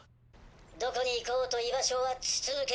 どこに行こうと居場所は筒抜け！